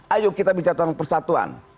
ayo kita bicara tentang persatuan